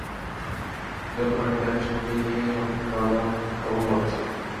যখন আমি তাকে সঙ্গে নিয়ে সন্তানের বাবা হবো ভাবছি?